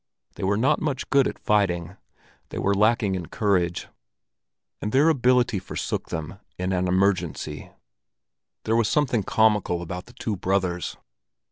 They were not much good at fighting; they were lacking in courage, and their ability forsook them in an emergency. There was something comical about the two brothers.